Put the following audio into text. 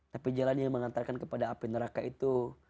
tapi jalan yang mengantarkan kepada api neraka itu